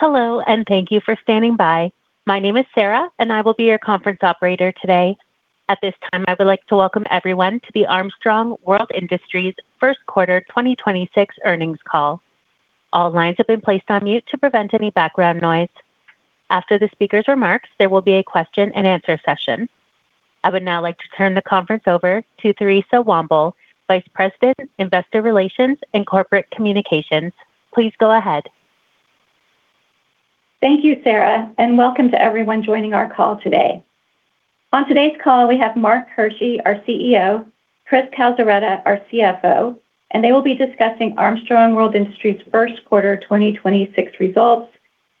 Hello, and thank you for standing by. My name is Sarah, and I will be your conference operator today. At this time, I would like to welcome everyone to the Armstrong World Industries First Quarter 2026 Earnings Call. All lines have been placed on mute to prevent any background noise. After the speaker's remarks, there will be a question and answer session. I would now like to turn the conference over to Theresa Womble, Vice President, Investor Relations and Corporate Communications. Please go ahead. Thank you, Sarah. Welcome to everyone joining our call today. On today's call, we have Mark Hershey, our CEO, Chris Calzaretta, our CFO, and they will be discussing Armstrong World Industries' first quarter 2026 results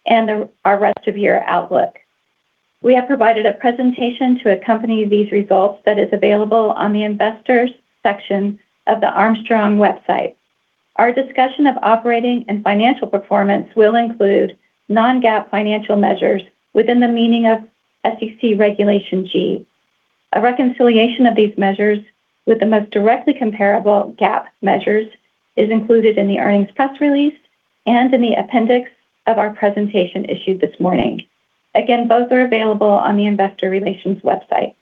and our rest of year outlook. We have provided a presentation to accompany these results that is available on the investors section of the Armstrong website. Our discussion of operating and financial performance will include non-GAAP financial measures within the meaning of SEC Regulation G. A reconciliation of these measures with the most directly comparable GAAP measures is included in the earnings press release and in the appendix of our presentation issued this morning. Again, both are available on the investor relations website.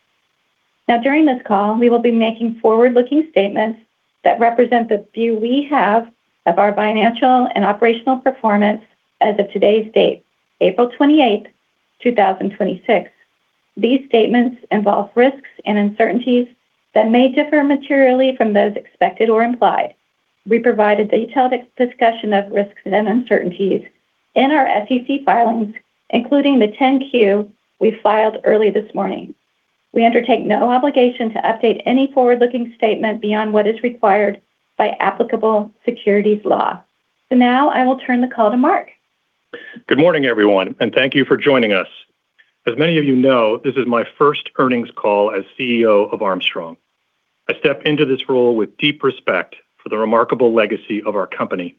During this call, we will be making forward-looking statements that represent the view we have of our financial and operational performance as of today's date, April 28th, 2026. These statements involve risks and uncertainties that may differ materially from those expected or implied. We provide a detailed discussion of risks and uncertainties in our SEC filings, including the 10-Q we filed early this morning. We undertake no obligation to update any forward-looking statement beyond what is required by applicable securities law. Now I will turn the call to Mark. Good morning, everyone, and thank you for joining us. As many of you know, this is my first earnings call as CEO of Armstrong. I step into this role with deep respect for the remarkable legacy of our company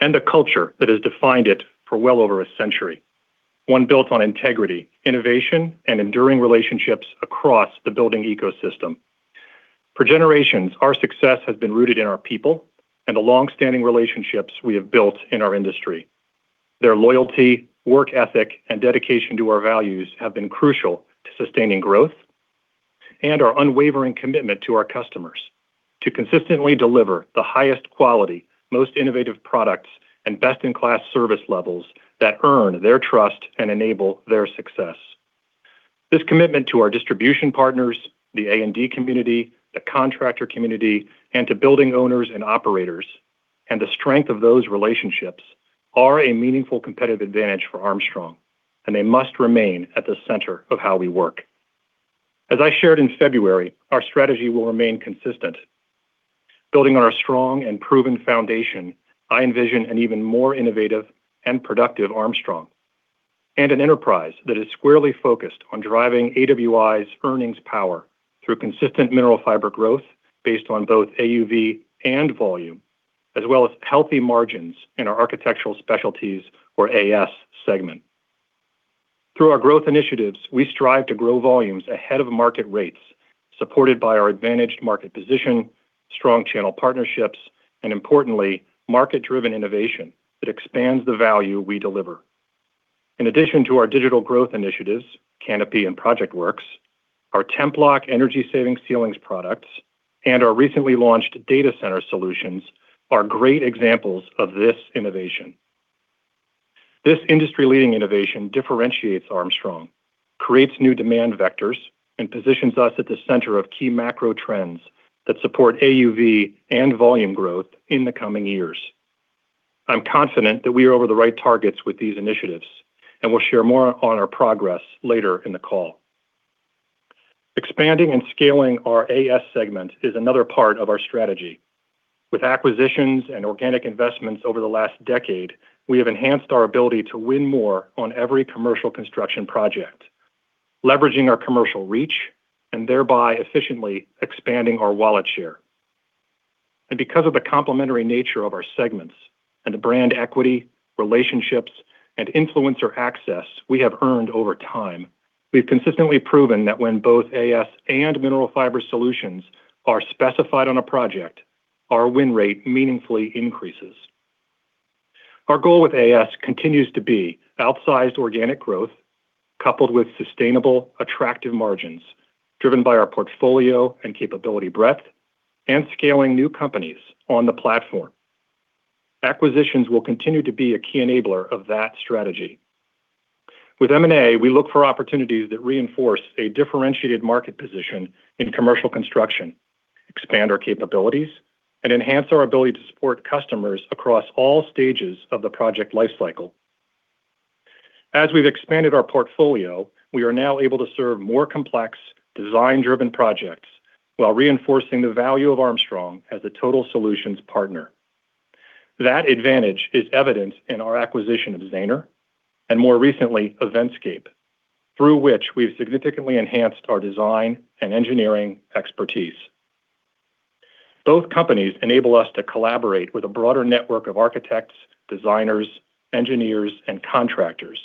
and a culture that has defined it for well over a century. One built on integrity, innovation, and enduring relationships across the building ecosystem. For generations, our success has been rooted in our people and the longstanding relationships we have built in our industry. Their loyalty, work ethic, and dedication to our values have been crucial to sustaining growth and our unwavering commitment to our customers to consistently deliver the highest quality, most innovative products, and best-in-class service levels that earn their trust and enable their success. This commitment to our distribution partners, the A&D community, the contractor community, and to building owners and operators, and the strength of those relationships are a meaningful competitive advantage for Armstrong, and they must remain at the center of how we work. As I shared in February, our strategy will remain consistent. Building on a strong and proven foundation, I envision an even more innovative and productive Armstrong and an enterprise that is squarely focused on driving AWI's earnings power through consistent Mineral Fiber growth based on both AUV and volume, as well as healthy margins in our Architectural Specialties or AS segment. Through our growth initiatives, we strive to grow volumes ahead of market rates, supported by our advantaged market position, strong channel partnerships, and importantly, market-driven innovation that expands the value we deliver. In addition to our digital growth initiatives, Kanopi and ProjectWorks, our TEMPLOK energy-saving ceilings products, and our recently launched data center solutions are great examples of this innovation. This industry-leading innovation differentiates Armstrong, creates new demand vectors, and positions us at the center of key macro trends that support AUV and volume growth in the coming years. I'm confident that we are over the right targets with these initiatives, and we'll share more on our progress later in the call. Expanding and scaling our AS segment is another part of our strategy. With acquisitions and organic investments over the last decade, we have enhanced our ability to win more on every commercial construction project, leveraging our commercial reach and thereby efficiently expanding our wallet share. Because of the complementary nature of our segments and the brand equity, relationships, and influencer access we have earned over time, we've consistently proven that when both AS and Mineral Fiber solutions are specified on a project, our win rate meaningfully increases. Our goal with AS continues to be outsized organic growth coupled with sustainable, attractive margins driven by our portfolio and capability breadth and scaling new companies on the platform. Acquisitions will continue to be a key enabler of that strategy. With M&A, we look for opportunities that reinforce a differentiated market position in commercial construction, expand our capabilities, and enhance our ability to support customers across all stages of the project life cycle. As we've expanded our portfolio, we are now able to serve more complex, design-driven projects while reinforcing the value of Armstrong as a total solutions partner. That advantage is evident in our acquisition of Zahner and more recently Eventscape, through which we've significantly enhanced our design and engineering expertise. Both companies enable us to collaborate with a broader network of architects, designers, engineers, and contractors,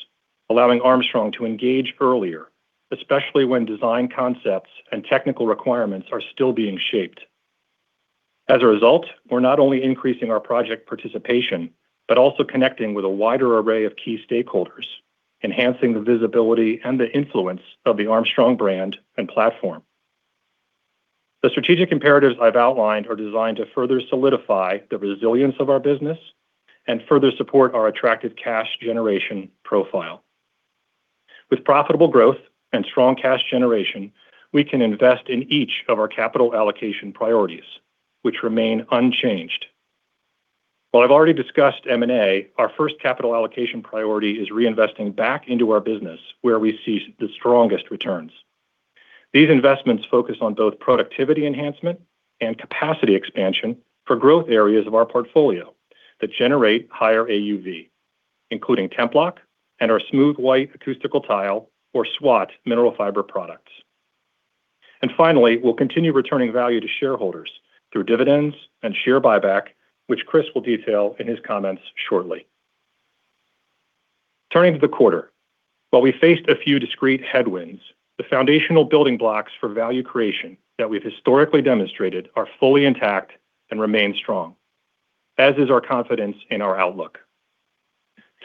allowing Armstrong to engage earlier, especially when design concepts and technical requirements are still being shaped. As a result, we're not only increasing our project participation, but also connecting with a wider array of key stakeholders, enhancing the visibility and the influence of the Armstrong brand and platform. The strategic imperatives I've outlined are designed to further solidify the resilience of our business and further support our attractive cash generation profile. With profitable growth and strong cash generation, we can invest in each of our capital allocation priorities, which remain unchanged. While I've already discussed M&A, our first capital allocation priority is reinvesting back into our business where we see the strongest returns. These investments focus on both productivity enhancement and capacity expansion for growth areas of our portfolio that generate higher AUV, including TEMPLOK and our Smooth White Acoustical Tile or SWAT Mineral Fiber products. Finally, we'll continue returning value to shareholders through dividends and share buyback, which Chris will detail in his comments shortly. Turning to the quarter, while we faced a few discrete headwinds, the foundational building blocks for value creation that we've historically demonstrated are fully intact and remain strong, as is our confidence in our outlook.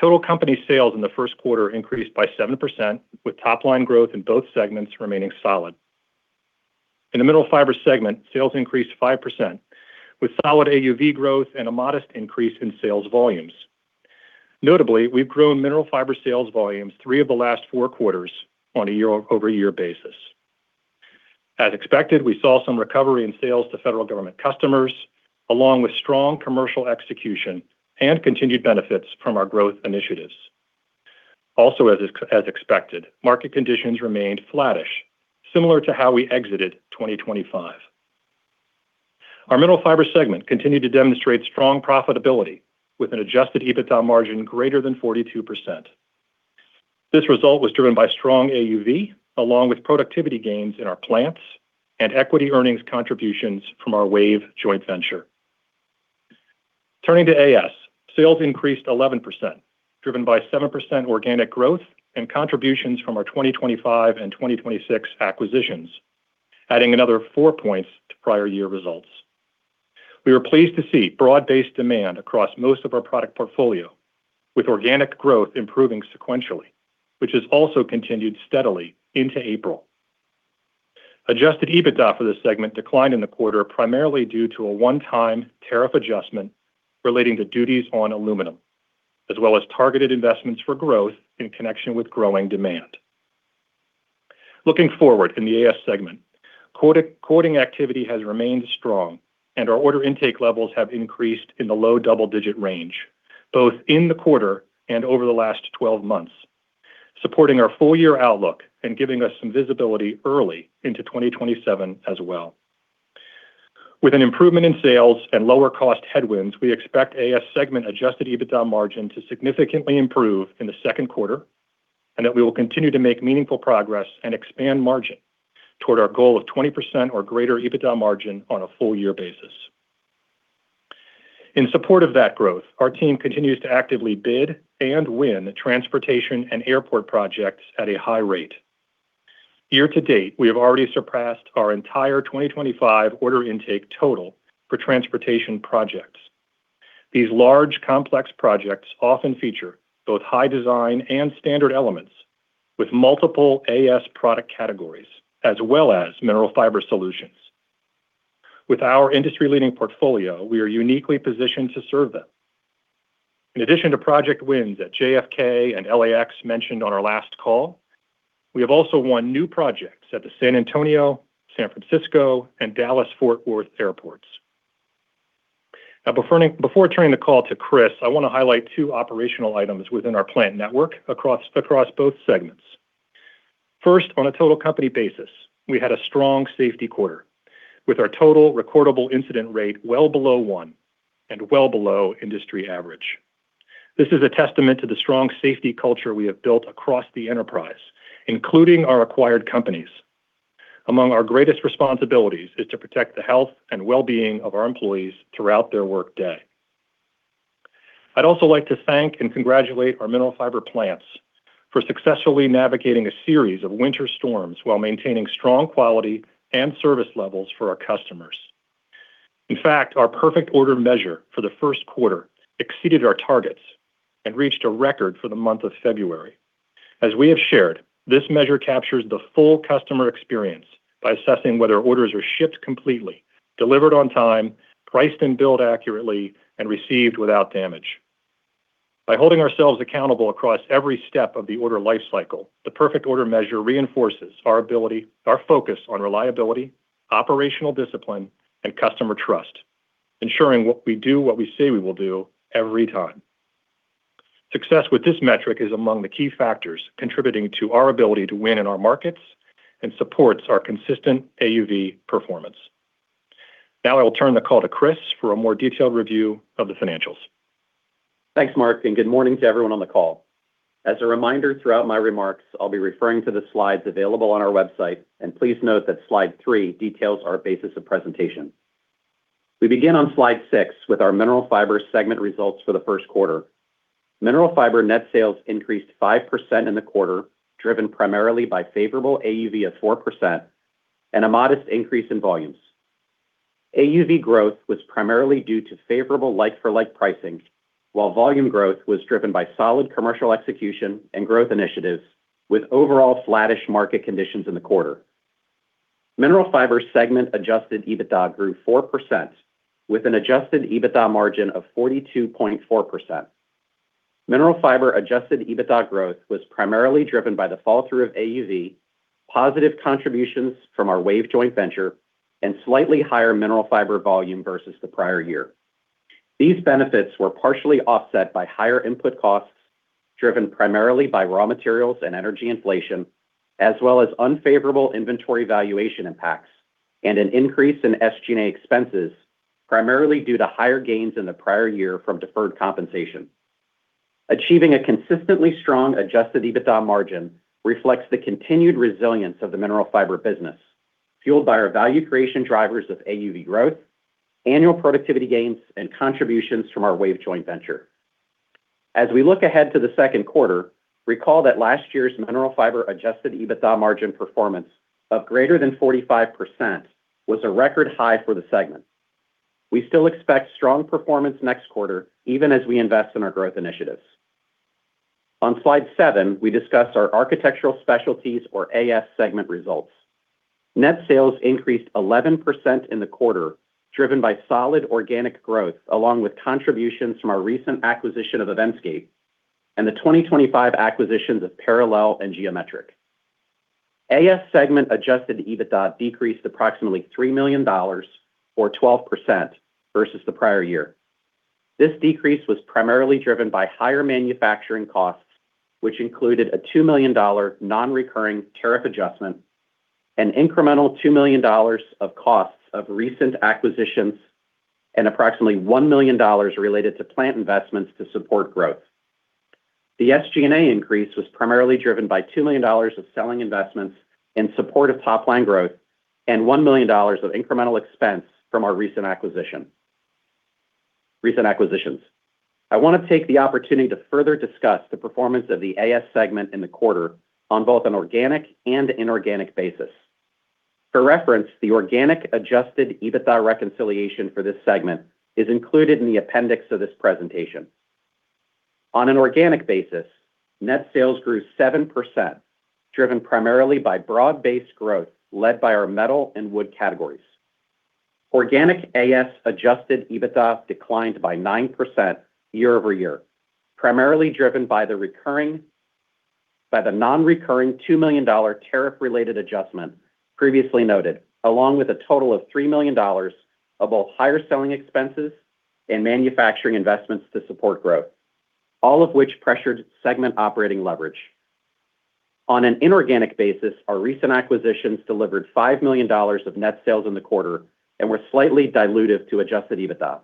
Total company sales in the first quarter increased by 7%, with top-line growth in both segments remaining solid. In the Mineral Fiber segment, sales increased 5%, with solid AUV growth and a modest increase in sales volumes. Notably, we've grown Mineral Fiber sales volumes three of the last four quarters on a year-over-year basis. As expected, we saw some recovery in sales to federal government customers, along with strong commercial execution and continued benefits from our growth initiatives. As expected, market conditions remained flattish, similar to how we exited 2025. Our Mineral Fiber segment continued to demonstrate strong profitability with an Adjusted EBITDA margin greater than 42%. This result was driven by strong AUV, along with productivity gains in our plants and equity earnings contributions from our WAVE joint venture. Turning to AS, sales increased 11%, driven by 7% organic growth and contributions from our 2025 and 2026 acquisitions, adding another four points to prior year results. We were pleased to see broad-based demand across most of our product portfolio, with organic growth improving sequentially, which has also continued steadily into April. Adjusted EBITDA for this segment declined in the quarter primarily due to a one-time tariff adjustment relating to duties on aluminum, as well as targeted investments for growth in connection with growing demand. Looking forward in the AS segment, quoting activity has remained strong and our order intake levels have increased in the low double-digit range, both in the quarter and over the last 12 months, supporting our full year outlook and giving us some visibility early into 2027 as well. With an improvement in sales and lower cost headwinds, we expect AS segment Adjusted EBITDA margin to significantly improve in the second quarter and that we will continue to make meaningful progress and expand margin toward our goal of 20% or greater EBITDA margin on a full year basis. In support of that growth, our team continues to actively bid and win transportation and airport projects at a high rate. Year to date, we have already surpassed our entire 2025 order intake total for transportation projects. These large, complex projects often feature both high design and standard elements with multiple AS product categories, as well as Mineral Fiber solutions. With our industry-leading portfolio, we are uniquely positioned to serve them. In addition to project wins at JFK and LAX mentioned on our last call, we have also won new projects at the San Antonio, San Francisco and Dallas Fort Worth airports. Before turning the call to Chris, I wanna highlight two operational items within our plant network across both segments. First, on a total company basis, we had a strong safety quarter with our total recordable incident rate well below one and well below industry average. This is a testament to the strong safety culture we have built across the enterprise, including our acquired companies. Among our greatest responsibilities is to protect the health and well-being of our employees throughout their workday. I'd also like to thank and congratulate our Mineral Fiber plants for successfully navigating a series of winter storms while maintaining strong quality and service levels for our customers. In fact, our perfect order measure for the first quarter exceeded our targets and reached a record for the month of February. As we have shared, this measure captures the full customer experience by assessing whether orders are shipped completely, delivered on time, priced and billed accurately, and received without damage. By holding ourselves accountable across every step of the order lifecycle, the perfect order measure reinforces our ability, our focus on reliability, operational discipline, and customer trust, ensuring what we do, what we say we will do every time. Success with this metric is among the key factors contributing to our ability to win in our markets and supports our consistent AUV performance. I will turn the call to Chris for a more detailed review of the financials. Thanks, Mark, and good morning to everyone on the call. As a reminder, throughout my remarks, I'll be referring to the slides available on our website, and please note that slide 3 details our basis of presentation. We begin on slide 6 with our Mineral Fiber segment results for the first quarter. Mineral Fiber net sales increased 5% in the quarter, driven primarily by favorable AUV of 4% and a modest increase in volumes. AUV growth was primarily due to favorable like-for-like pricing, while volume growth was driven by solid commercial execution and growth initiatives with overall flattish market conditions in the quarter. Mineral Fiber segment Adjusted EBITDA grew 4% with an Adjusted EBITDA margin of 42.4%. Mineral Fiber Adjusted EBITDA growth was primarily driven by the fall through of AUV, positive contributions from our WAVE joint venture, and slightly higher Mineral Fiber volume versus the prior year. These benefits were partially offset by higher input costs driven primarily by raw materials and energy inflation, as well as unfavorable inventory valuation impacts and an increase in SG&A expenses, primarily due to higher gains in the prior year from deferred compensation. Achieving a consistently strong Adjusted EBITDA margin reflects the continued resilience of the Mineral Fiber business, fueled by our value creation drivers of AUV growth, annual productivity gains, and contributions from our WAVE joint venture. As we look ahead to the second quarter, recall that last year's Mineral Fiber Adjusted EBITDA margin performance of greater than 45% was a record high for the segment. We still expect strong performance next quarter, even as we invest in our growth initiatives. On slide 7, we discuss our Architectural Specialties or AS segment results. Net sales increased 11% in the quarter, driven by solid organic growth along with contributions from our recent acquisition of Eventscape and the 2025 acquisitions of Parallel and Geometrik. AS segment Adjusted EBITDA decreased approximately $3 million, or 12%, versus the prior year. This decrease was primarily driven by higher manufacturing costs, which included a $2 million non-recurring tariff adjustment, an incremental $2 million of costs of recent acquisitions, and approximately $1 million related to plant investments to support growth. The SG&A increase was primarily driven by $2 million of selling investments in support of top line growth and $1 million of incremental expense from our recent acquisitions. I want to take the opportunity to further discuss the performance of the AS segment in the quarter on both an organic and inorganic basis. For reference, the organic Adjusted EBITDA reconciliation for this segment is included in the appendix of this presentation. On an organic basis, net sales grew 7%, driven primarily by broad-based growth led by our metal and wood categories. Organic AS Adjusted EBITDA declined by 9% year-over-year, primarily driven by the non-recurring $2 million tariff-related adjustment previously noted, along with a total of $3 million of both higher selling expenses and manufacturing investments to support growth, all of which pressured segment operating leverage. On an inorganic basis, our recent acquisitions delivered $5 million of net sales in the quarter and were slightly dilutive to Adjusted EBITDA.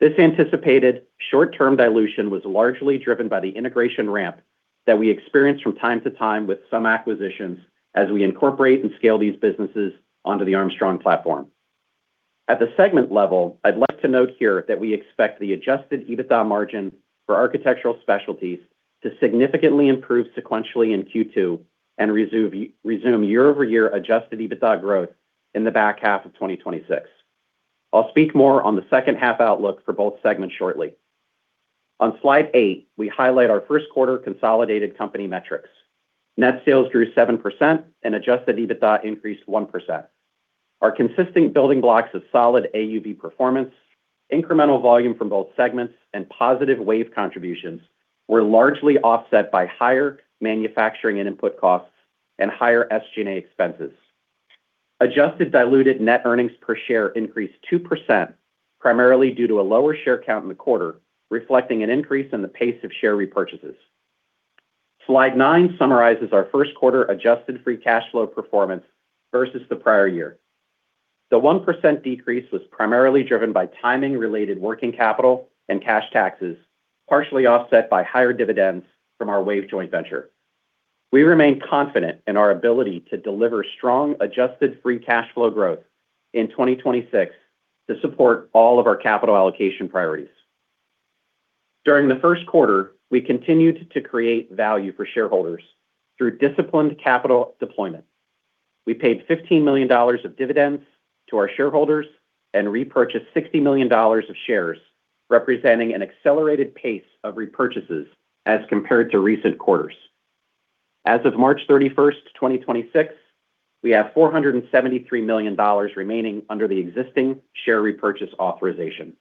This anticipated short-term dilution was largely driven by the integration ramp that we experience from time to time with some acquisitions as we incorporate and scale these businesses onto the Armstrong platform. At the segment level, I'd like to note here that we expect the Adjusted EBITDA margin for Architectural Specialties to significantly improve sequentially in Q2 and resume year-over-year Adjusted EBITDA growth in the back half of 2026. I'll speak more on the second half outlook for both segments shortly. On slide 8, we highlight our first quarter consolidated company metrics. Net sales grew 7% and Adjusted EBITDA increased 1%. Our consistent building blocks of solid AUV performance, incremental volume from both segments, and positive WAVE contributions were largely offset by higher manufacturing and input costs and higher SG&A expenses. Adjusted diluted net earnings per share increased 2%, primarily due to a lower share count in the quarter, reflecting an increase in the pace of share repurchases. Slide 9 summarizes our first quarter adjusted free cash flow performance versus the prior year. The 1% decrease was primarily driven by timing-related working capital and cash taxes, partially offset by higher dividends from our WAVE joint venture. We remain confident in our ability to deliver strong adjusted free cash flow growth in 2026 to support all of our capital allocation priorities. During the first quarter, we continued to create value for shareholders through disciplined capital deployment. We paid $15 million of dividends to our shareholders and repurchased $60 million of shares, representing an accelerated pace of repurchases as compared to recent quarters. As of March 31, 2026, we have $473 million remaining under the existing share repurchase authorization.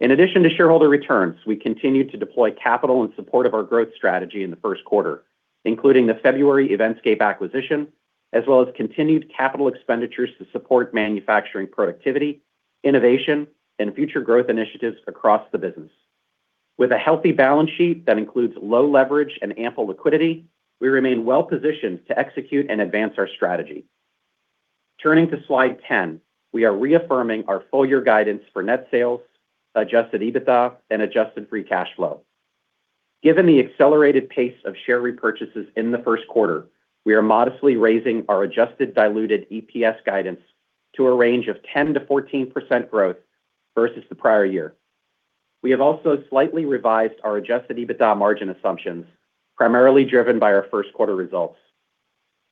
In addition to shareholder returns, we continued to deploy capital in support of our growth strategy in the first quarter, including the February Eventscape acquisition, as well as continued capital expenditures to support manufacturing productivity, innovation, and future growth initiatives across the business. With a healthy balance sheet that includes low leverage and ample liquidity, we remain well-positioned to execute and advance our strategy. Turning to slide 10, we are reaffirming our full-year guidance for net sales, Adjusted EBITDA, and adjusted free cash flow. Given the accelerated pace of share repurchases in the first quarter, we are modestly raising our Adjusted diluted EPS guidance to a range of 10%-14% growth versus the prior year. We have also slightly revised our Adjusted EBITDA margin assumptions, primarily driven by our first quarter results.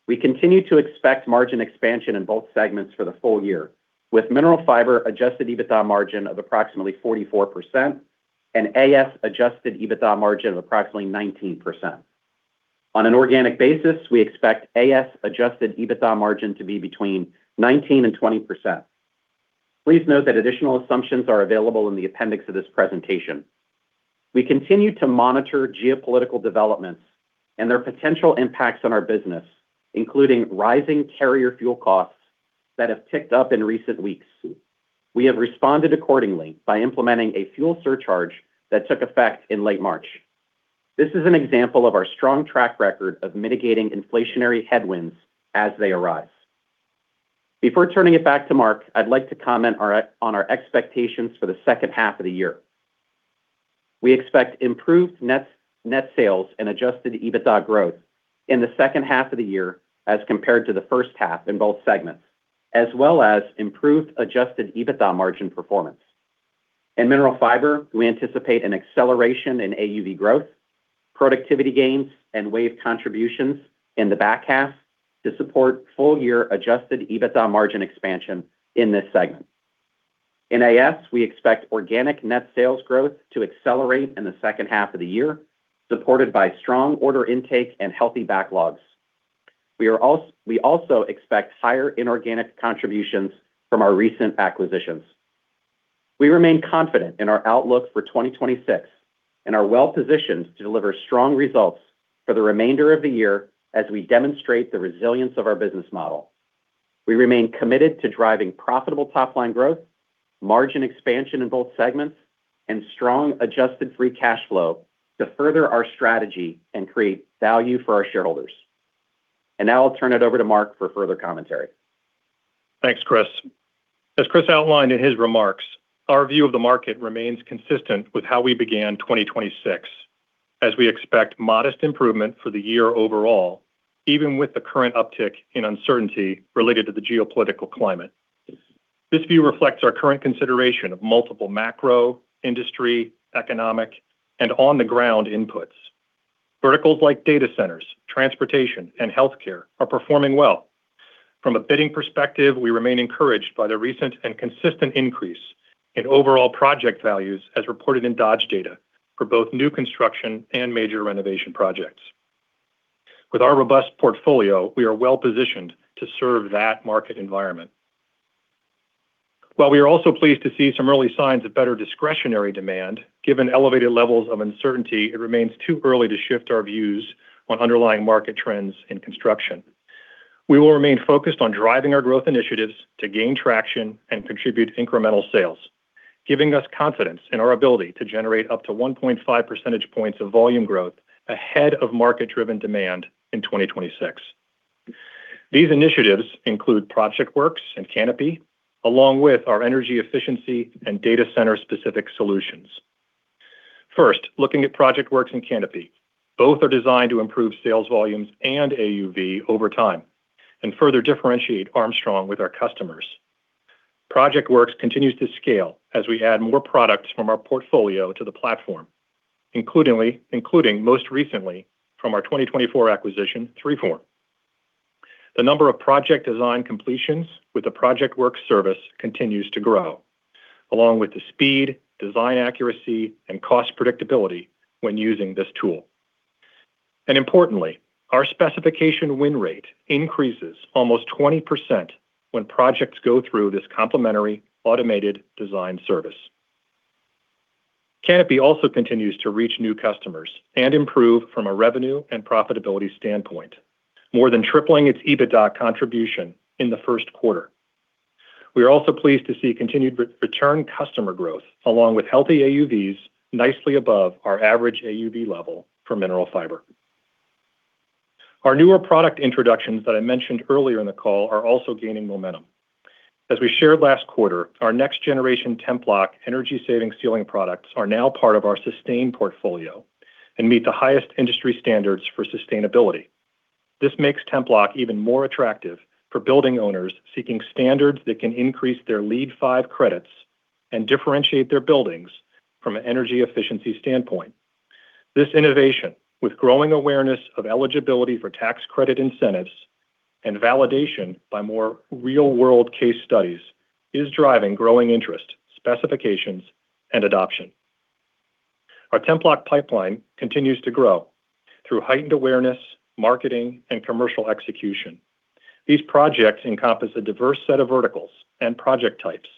We continue to expect margin expansion in both segments for the full year, with Mineral Fiber Adjusted EBITDA margin of approximately 44% and AS Adjusted EBITDA margin of approximately 19%. On an organic basis, we expect AS Adjusted EBITDA margin to be between 19%-20%. Please note that additional assumptions are available in the appendix of this presentation. We continue to monitor geopolitical developments and their potential impacts on our business, including rising carrier fuel costs that have ticked up in recent weeks. We have responded accordingly by implementing a fuel surcharge that took effect in late March. This is an example of our strong track record of mitigating inflationary headwinds as they arise. Before turning it back to Mark, I'd like to comment on our expectations for the 2nd half of the year. We expect improved net sales and Adjusted EBITDA growth in the 2nd half of the year as compared to the 1st half in both segments, as well as improved Adjusted EBITDA margin performance. In Mineral Fiber, we anticipate an acceleration in AUV growth, productivity gains, and WAVE contributions in the back half to support full year Adjusted EBITDA margin expansion in this segment. In AS, we expect organic net sales growth to accelerate in the 2nd half of the year, supported by strong order intake and healthy backlogs. We also expect higher inorganic contributions from our recent acquisitions. We remain confident in our outlook for 2026 and are well-positioned to deliver strong results for the remainder of the year as we demonstrate the resilience of our business model. We remain committed to driving profitable top-line growth, margin expansion in both segments, and strong adjusted free cash flow to further our strategy and create value for our shareholders. Now I'll turn it over to Mark for further commentary. Thanks, Chris. As Chris outlined in his remarks, our view of the market remains consistent with how we began 2026, as we expect modest improvement for the year overall, even with the current uptick in uncertainty related to the geopolitical climate. This view reflects our current consideration of multiple macro, industry, economic, and on-the-ground inputs. Verticals like data centers, transportation, and healthcare are performing well. From a bidding perspective, we remain encouraged by the recent and consistent increase in overall project values as reported in Dodge Data for both new construction and major renovation projects. With our robust portfolio, we are well-positioned to serve that market environment. While we are also pleased to see some early signs of better discretionary demand, given elevated levels of uncertainty, it remains too early to shift our views on underlying market trends in construction. We will remain focused on driving our growth initiatives to gain traction and contribute incremental sales, giving us confidence in our ability to generate up to 1.5 percentage points of volume growth ahead of market-driven demand in 2026. These initiatives include ProjectWorks and Kanopi, along with our energy efficiency and data center-specific solutions. First, looking at ProjectWorks and Kanopi, both are designed to improve sales volumes and AUV over time and further differentiate Armstrong with our customers. ProjectWorks continues to scale as we add more products from our portfolio to the platform, including most recently from our 2024 acquisition, 3form. The number of project design completions with the ProjectWorks service continues to grow, along with the speed, design accuracy, and cost predictability when using this tool. Importantly, our specification win rate increases almost 20% when projects go through this complimentary automated design service. Kanopi also continues to reach new customers and improve from a revenue and profitability standpoint, more than tripling its EBITDA contribution in the first quarter. We are also pleased to see continued return customer growth, along with healthy AUVs nicely above our average AUV level for Mineral Fiber. Our newer product introductions that I mentioned earlier in the call are also gaining momentum. As we shared last quarter, our next generation TEMPLOK energy-saving ceiling products are now part of our Sustain portfolio and meet the highest industry standards for sustainability. This makes TEMPLOK even more attractive for building owners seeking standards that can increase their LEED v5 credits and differentiate their buildings from an energy efficiency standpoint. This innovation, with growing awareness of eligibility for tax credit incentives and validation by more real-world case studies, is driving growing interest, specifications, and adoption. Our TEMPLOK pipeline continues to grow through heightened awareness, marketing, and commercial execution. These projects encompass a diverse set of verticals and project types.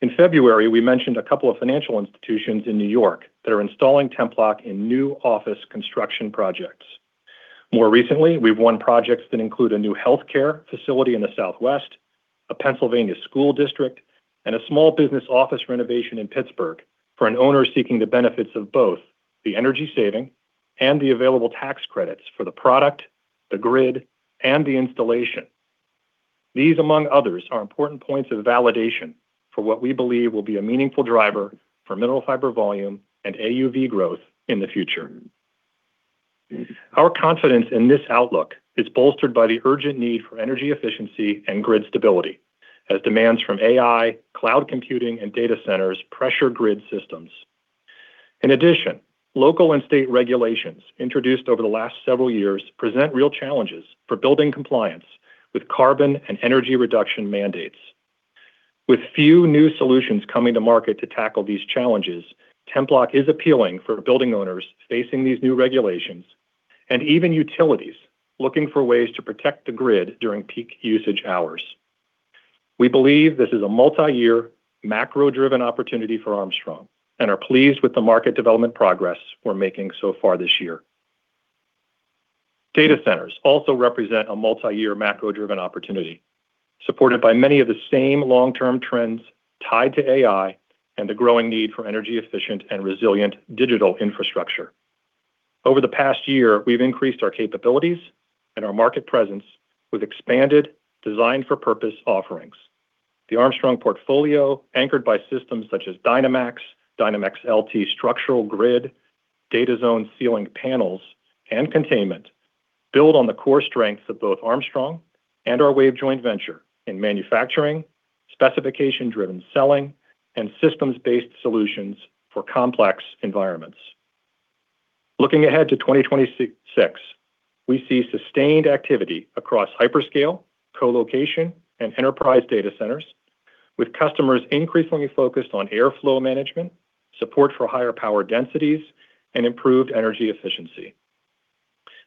In February, we mentioned a couple of financial institutions in New York that are installing TEMPLOK in new office construction projects. More recently, we've won projects that include a new healthcare facility in the Southwest, a Pennsylvania school district, and a small business office renovation in Pittsburgh for an owner seeking the benefits of both the energy saving and the available tax credits for the product, the grid, and the installation. These, among others, are important points of validation for what we believe will be a meaningful driver for Mineral Fiber volume and AUV growth in the future. Our confidence in this outlook is bolstered by the urgent need for energy efficiency and grid stability as demands from AI, cloud computing, and data centers pressure grid systems. In addition, local and state regulations introduced over the last several years present real challenges for building compliance with carbon and energy reduction mandates. With few new solutions coming to market to tackle these challenges, TEMPLOK is appealing for building owners facing these new regulations and even utilities looking for ways to protect the grid during peak usage hours. We believe this is a multi-year, macro-driven opportunity for Armstrong and are pleased with the market development progress we're making so far this year. Data centers also represent a multi-year, macro-driven opportunity, supported by many of the same long-term trends tied to AI and the growing need for energy efficient and resilient digital infrastructure. Over the past year, we've increased our capabilities and our market presence with expanded design for purpose offerings. The Armstrong portfolio, anchored by systems such as DynaMax, DynaMax LT structural grid, DataZone ceiling panels, and containment, build on the core strengths of both Armstrong and our WAVE joint venture in manufacturing, specification-driven selling, and systems-based solutions for complex environments. Looking ahead to 2026, we see sustained activity across hyperscale, colocation, and enterprise data centers, with customers increasingly focused on airflow management, support for higher power densities, and improved energy efficiency.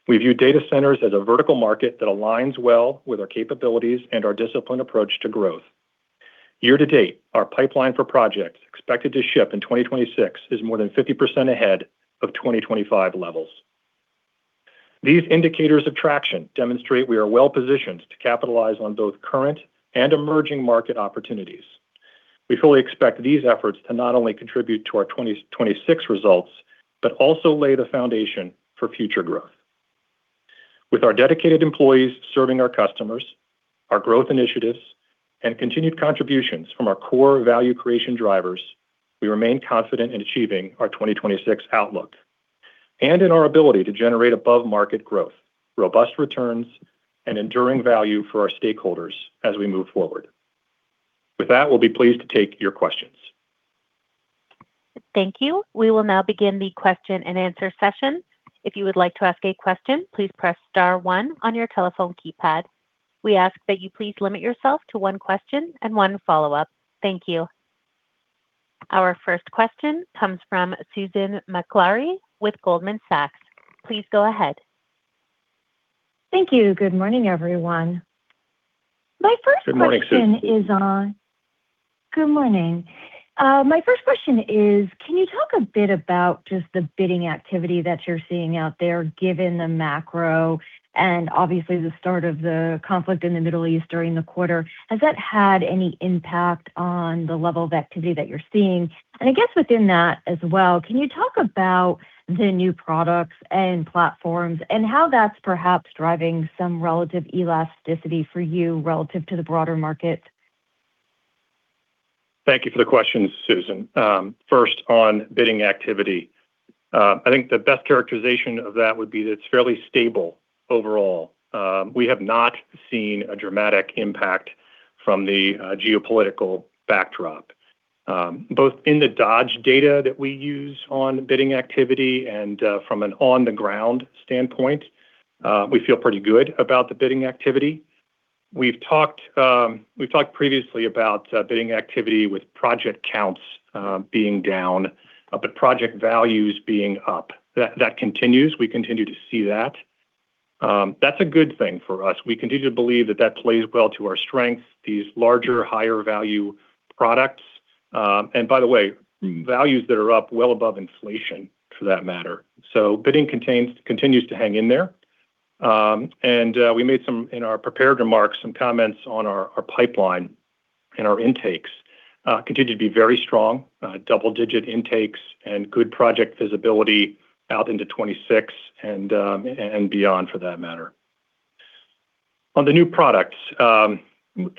We view data centers as a vertical market that aligns well with our capabilities and our disciplined approach to growth. Year to date, our pipeline for projects expected to ship in 2026 is more than 50% ahead of 2025 levels. These indicators of traction demonstrate we are well positioned to capitalize on both current and emerging market opportunities. We fully expect these efforts to not only contribute to our 2026 results, but also lay the foundation for future growth. With our dedicated employees serving our customers, our growth initiatives, and continued contributions from our core value creation drivers, we remain confident in achieving our 2026 outlook and in our ability to generate above-market growth, robust returns, and enduring value for our stakeholders as we move forward. With that, we'll be pleased to take your questions. Thank you. We will now begin the question and answer session. If you would like to ask a question, please press star one on your telephone keypad. We ask that you please limit yourself to one question and one follow-up. Thank you. Our first question comes from Susan Maklari with Goldman Sachs. Please go ahead. Thank you. Good morning, everyone. Good morning, Susan. Good morning. My first question is, can you talk a bit about just the bidding activity that you're seeing out there, given the macro and obviously the start of the conflict in the Middle East during the quarter? Has that had any impact on the level of activity that you're seeing? I guess within that as well, can you talk about the new products and platforms and how that's perhaps driving some relative elasticity for you relative to the broader market? Thank you for the question, Susan. First, on bidding activity, I think the best characterization of that would be that it's fairly stable overall. We have not seen a dramatic impact from the geopolitical backdrop. Both in the Dodge data that we use on bidding activity and from an on-the-ground standpoint, we feel pretty good about the bidding activity. We've talked previously about bidding activity with project counts being down, but project values being up. That continues. We continue to see that. That's a good thing for us. We continue to believe that that plays well to our strengths, these larger, higher value products. By the way, values that are up well above inflation for that matter. Bidding continues to hang in there. We made some, in our prepared remarks, some comments on our pipeline and our intakes continue to be very strong, double-digit intakes and good project visibility out into 2026 and beyond for that matter. On the new products,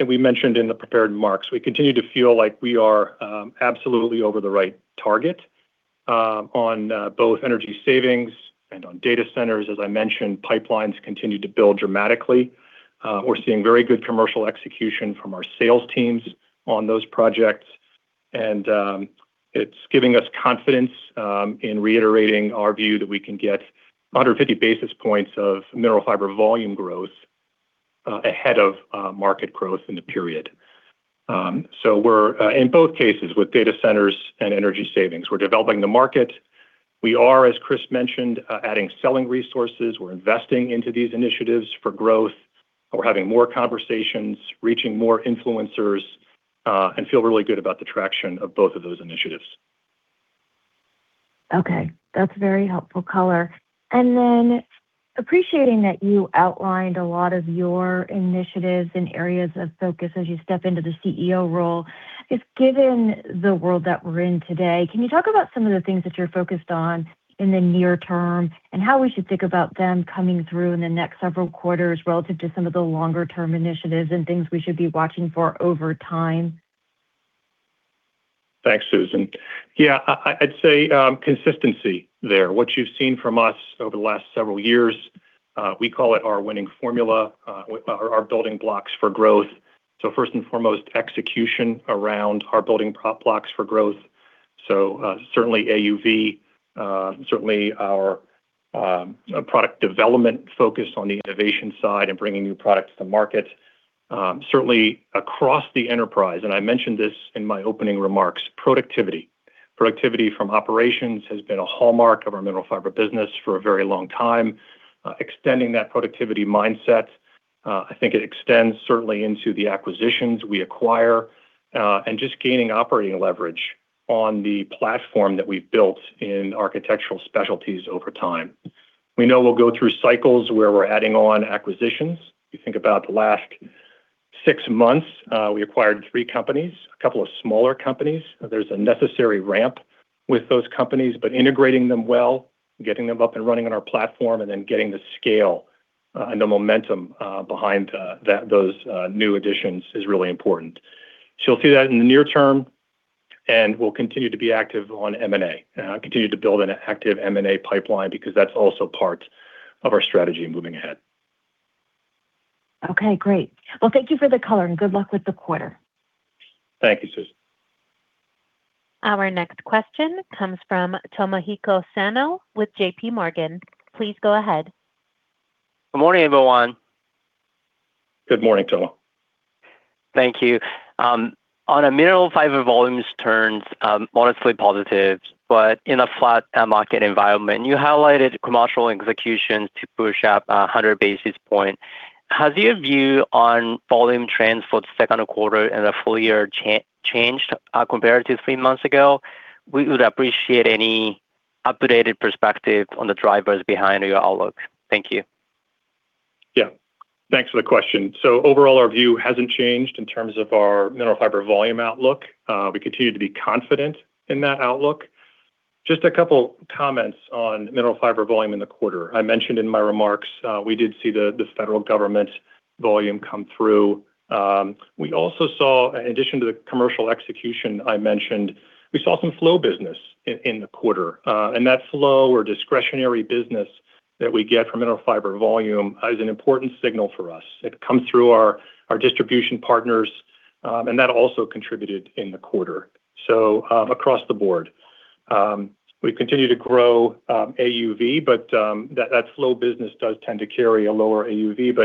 we mentioned in the prepared remarks, we continue to feel like we are absolutely over the right target on both energy savings and on data centers. As I mentioned, pipelines continue to build dramatically. We're seeing very good commercial execution from our sales teams on those projects. It's giving us confidence in reiterating our view that we can get 150 basis points of Mineral Fiber volume growth ahead of market growth in the period. We're in both cases, with data centers and energy savings, we're developing the market. We are, as Chris mentioned, adding selling resources. We're investing into these initiatives for growth. We're having more conversations, reaching more influencers, and feel really good about the traction of both of those initiatives. Okay. That's very helpful color. Then appreciating that you outlined a lot of your initiatives and areas of focus as you step into the CEO role, if given the world that we're in today, can you talk about some of the things that you're focused on in the near term and how we should think about them coming through in the next several quarters relative to some of the longer term initiatives and things we should be watching for over time? Thanks, Susan. Yeah, I'd say consistency there. What you've seen from us over the last several years, we call it our winning formula or our building blocks for growth. First and foremost, execution around our building blocks for growth. Certainly AUV, certainly our product development focus on the innovation side and bringing new products to market. Certainly across the enterprise, and I mentioned this in my opening remarks, productivity. Productivity from operations has been a hallmark of our Mineral Fiber business for a very long time. Extending that productivity mindset, I think it extends certainly into the acquisitions we acquire and just gaining operating leverage on the platform that we've built in Architectural Specialties over time. We know we'll go through cycles where we're adding on acquisitions. You think about the last six months, we acquired three companies, a couple of smaller companies. There's a necessary ramp with those companies, but integrating them well, getting them up and running on our platform, and then getting the scale and the momentum behind those new additions is really important. You'll see that in the near term, and we'll continue to be active on M&A, continue to build an active M&A pipeline because that's also part of our strategy moving ahead. Okay, great. Well, thank you for the color, and good luck with the quarter. Thank you, Susan. Our next question comes from Tomohiko Sano with J.P. Morgan. Please go ahead. Good morning, everyone. Good morning, Tomo. Thank you. On a Mineral Fiber volumes turns, modestly positive, but in a flat market environment, you highlighted commercial executions to push up 100 basis points. Has your view on volume trends for the second quarter and the full year changed compared to three months ago? We would appreciate any updated perspective on the drivers behind your outlook. Thank you. Yeah. Thanks for the question. Overall, our view hasn't changed in terms of our Mineral Fiber volume outlook. We continue to be confident in that outlook. Just a couple comments on Mineral Fiber volume in the quarter. I mentioned in my remarks, we did see the federal government volume come through. We also saw, in addition to the commercial execution I mentioned, we saw some flow business in the quarter. That flow or discretionary business that we get from Mineral Fiber volume is an important signal for us. It comes through our distribution partners, that also contributed in the quarter. Across the board, we continue to grow AUV, but that flow business does tend to carry a lower AUV.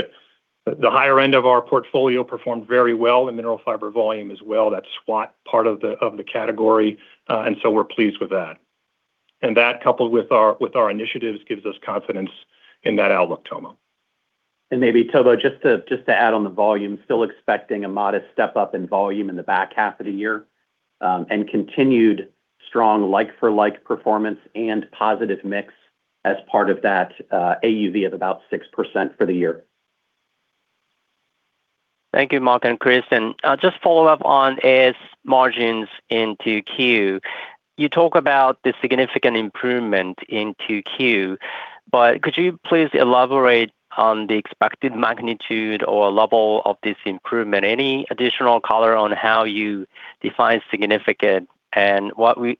The higher end of our portfolio performed very well in Mineral Fiber volume as well. That's SWAT part of the category. We're pleased with that. That, coupled with our initiatives, gives us confidence in that outlook, Tomo. Maybe, Tomo, just to add on the volume, still expecting a modest step-up in volume in the back half of the year, and continued strong like-for-like performance and positive mix as part of that, AUV of about 6% for the year. Thank you, Mark and Chris. Just follow up on AS margins in 2Q. You talk about the significant improvement in 2Q, but could you please elaborate on the expected magnitude or level of this improvement? Any additional color on how you define significant and what we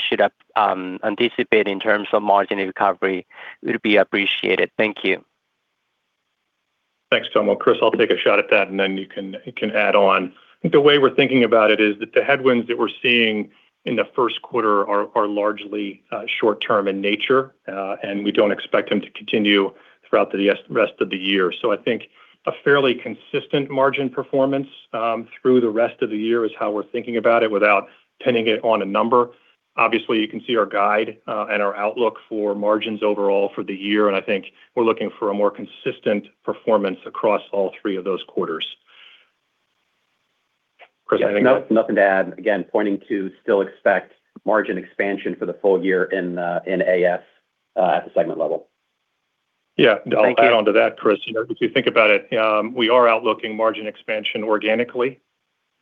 should anticipate in terms of margin recovery would be appreciated. Thank you. Thanks, Tomo. Chris, I'll take a shot at that, and then you can add on. I think the way we're thinking about it is that the headwinds that we're seeing in the first quarter are largely short-term in nature, and we don't expect them to continue throughout the rest of the year. I think a fairly consistent margin performance through the rest of the year is how we're thinking about it without pinning it on a number. Obviously, you can see our guide, and our outlook for margins overall for the year, and I think we're looking for a more consistent performance across all three of those quarters. Chris, anything to add? Yes. No, nothing to add. Again, pointing to still expect margin expansion for the full year in AS at the segment level. Yeah. Thank you. I'll add on to that, Chris. You know, if you think about it, we are outlooking margin expansion organically.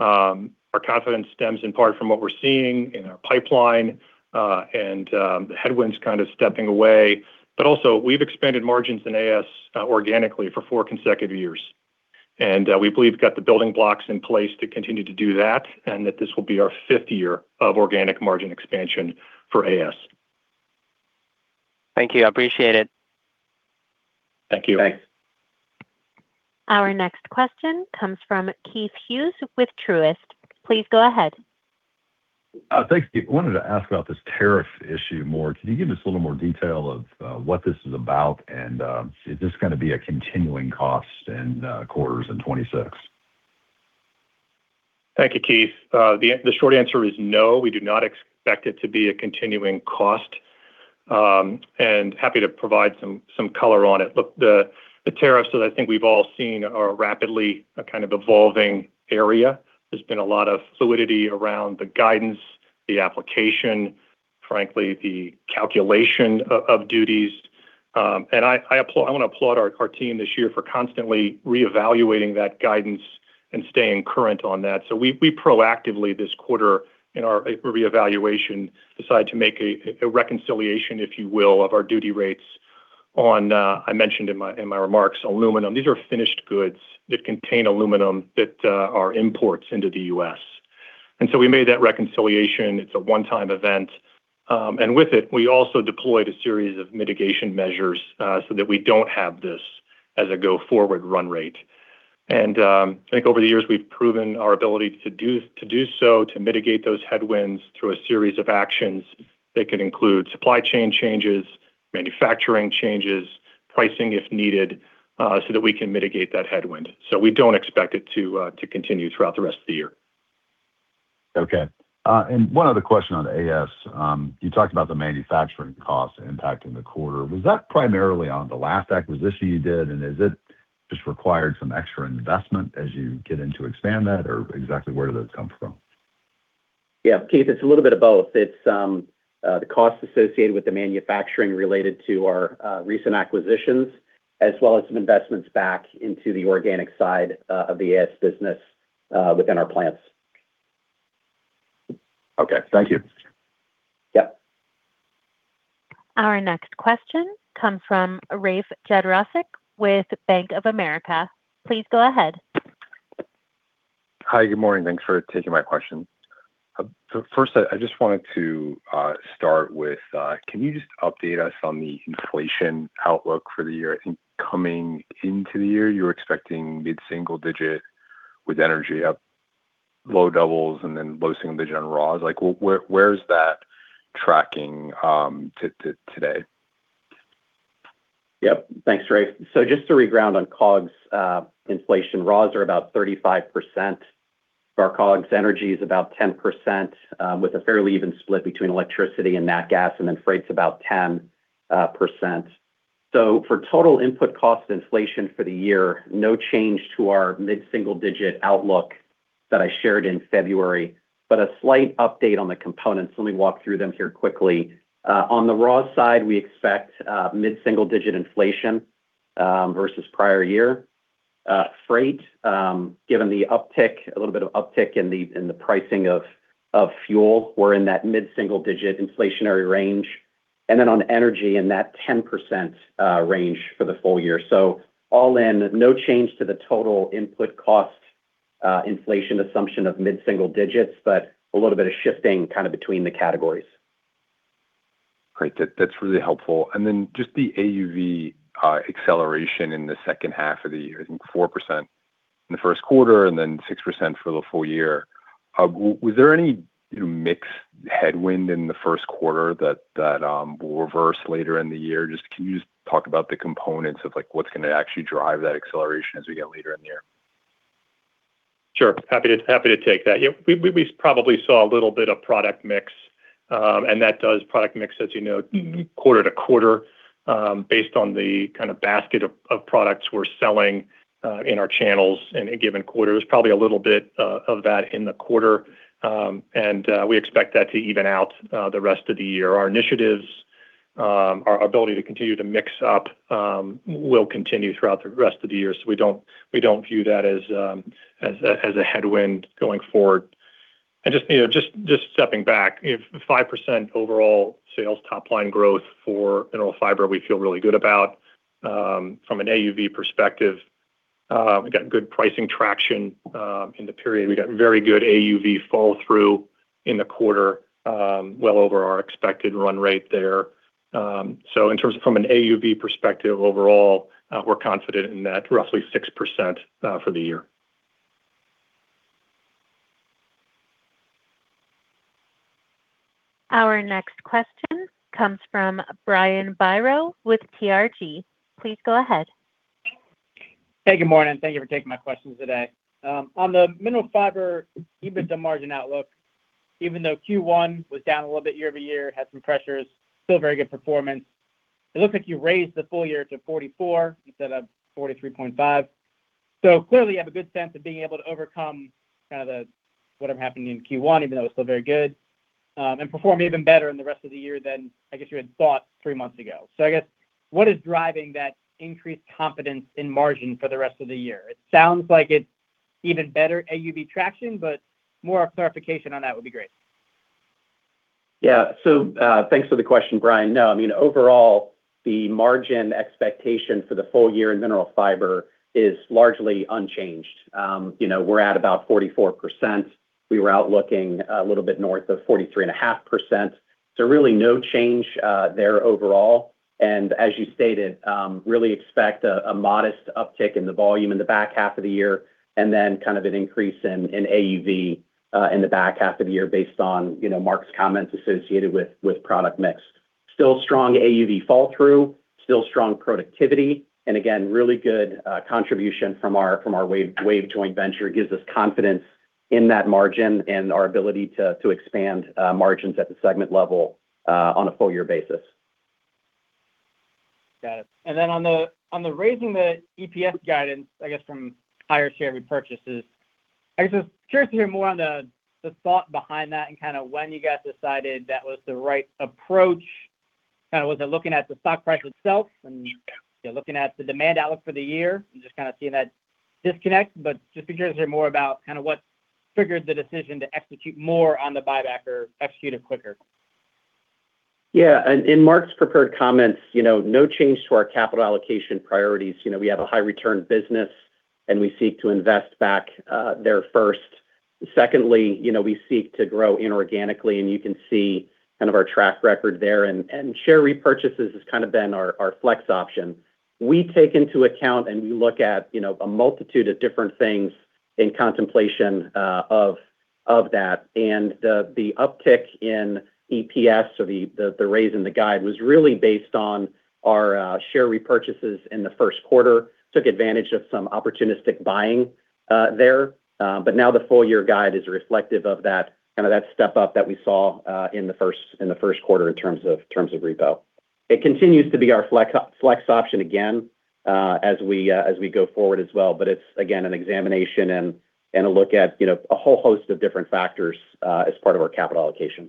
Our confidence stems in part from what we're seeing in our pipeline, and the headwinds kind of stepping away. Also, we've expanded margins in AS organically for four consecutive years. We believe we've got the building blocks in place to continue to do that and that this will be our 5th year of organic margin expansion for AS. Thank you. I appreciate it. Thank you. Thanks. Our next question comes from Keith Hughes with Truist Securities. Please go ahead. Thanks. I wanted to ask about this tariff issue more. Can you give us a little more detail of what this is about, and is this gonna be a continuing cost in quarters in 2026? Thank you, Keith. The short answer is no, we do not expect it to be a continuing cost. And happy to provide some color on it. Look, the tariffs that I think we've all seen are rapidly a kind of evolving area. There's been a lot of fluidity around the guidance, the application, frankly, the calculation of duties. And I wanna applaud our team this year for constantly reevaluating that guidance and staying current on that. We proactively this quarter in our reevaluation, decided to make a reconciliation, if you will, of our duty rates. I mentioned in my remarks, aluminum. These are finished goods that contain aluminum that are imports into the U.S. We made that reconciliation. It's a one-time event. With it, we also deployed a series of mitigation measures, so that we don't have this as a go forward run rate. I think over the years, we've proven our ability to do so, to mitigate those headwinds through a series of actions that can include supply chain changes, manufacturing changes, pricing if needed, so that we can mitigate that headwind. We don't expect it to continue throughout the rest of the year. Okay. One other question on AS. You talked about the manufacturing cost impacting the quarter. Was that primarily on the last acquisition you did, is it just required some extra investment as you get in to expand that, or exactly where did those come from? Keith, it's a little bit of both. It's the cost associated with the manufacturing related to our recent acquisitions, as well as some investments back into the organic side of the AS business within our plants. Okay. Thank you. Yep. Our next question comes from Rafe Jadrosich with Bank of America. Please go ahead. Hi. Good morning. Thanks for taking my question. First, I just wanted to start with, can you just update us on the inflation outlook for the year? I think coming into the year, you were expecting mid-single digit with energy up low doubles and then low single digit on raws. Where is that tracking today? Yep. Thanks, Rafe. Just to reground on COGS inflation, raws are about 35% of our COGS. Energy is about 10%, with a fairly even split between electricity and nat gas, and then freight's about 10%. For total input cost inflation for the year, no change to our mid-single digit outlook that I shared in February, but a slight update on the components. Let me walk through them here quickly. On the raw side, we expect mid-single digit inflation versus prior year. Freight, given the uptick, a little bit of uptick in the pricing of fuel, we're in that mid-single digit inflationary range. On energy, in that 10% range for the full year. All in, no change to the total input cost, inflation assumption of mid-single digits, but a little bit of shifting kind of between the categories. Great. That's really helpful. Just the AUV acceleration in the second half of the year. I think 4% in the first quarter and then 6% for the full year. Was there any, you know, mix headwind in the first quarter that will reverse later in the year? Just can you just talk about the components of, like, what's going to actually drive that acceleration as we get later in the year? Sure. Happy to take that. Yeah, we probably saw a little bit of product mix, and that does product mix, as you know, quarter to quarter, based on the kind of basket of products we're selling in our channels in a given quarter. There's probably a little bit of that in the quarter, and we expect that to even out the rest of the year. Our initiatives, our ability to continue to mix up, will continue throughout the rest of the year, we don't view that as a headwind going forward. Just, you know, stepping back, you know, 5% overall sales top line growth for Mineral Fiber we feel really good about. From an AUV perspective, we got good pricing traction in the period. We got very good AUV follow-through in the quarter, well over our expected run rate there. In terms of from an AUV perspective overall, we're confident in that roughly 6% for the year. Our next question comes from Brian Biros with Thompson Research Group. Please go ahead. Hey, good morning. Thank you for taking my questions today. On the Mineral Fiber EBITDA margin outlook, even though Q1 was down a little bit year-over-year, had some pressures, still very good performance. It looks like you raised the full year to 44 instead of 43.5. Clearly you have a good sense of being able to overcome kind of the whatever happened in Q1, even though it was still very good, and perform even better in the rest of the year than I guess you had thought three months ago. I guess what is driving that increased confidence in margin for the rest of the year? It sounds like it's even better AUV traction, but more clarification on that would be great. Thanks for the question, Brian. No, I mean, overall, the margin expectation for the full year in Mineral Fiber is largely unchanged. You know, we're at about 44%. We were out looking a little bit north of 43.5%. Really no change there overall. As you stated, really expect a modest uptick in the volume in the back half of the year and then kind of an increase in AUV in the back half of the year based on, you know, Mark's comments associated with product mix. Still strong AUV fall through, still strong productivity, and again, really good contribution from our WAVE joint venture gives us confidence in that margin and our ability to expand margins at the segment level on a full year basis. Got it. On the, on the raising the EPS guidance, I guess, from higher share repurchases, I guess I was curious to hear more on the thought behind that and kinda when you guys decided that was the right approach. Kinda was it looking at the stock price itself and, you know, looking at the demand outlook for the year and just kinda seeing that disconnect? Just be curious to hear more about kinda what triggers the decision to execute more on the buyback or execute it quicker? Yeah, in Mark's prepared comments, you know, no change to our capital allocation priorities. You know, we have a high return business, and we seek to invest back there first. Secondly, you know, we seek to grow inorganically, and you can see kind of our track record there. And share repurchases has kind of been our flex option. We take into account and we look at, you know, a multitude of different things in contemplation of that. The uptick in EPS or the raise in the guide was really based on our share repurchases in the first quarter. Took advantage of some opportunistic buying there. Now the full year guide is reflective of that, kind of that step up that we saw in the first quarter in terms of repo. It continues to be our flex option again as we go forward as well. It's, again, an examination and a look at, you know, a whole host of different factors as part of our capital allocation.